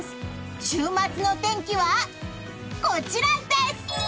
週末の天気はこちらです！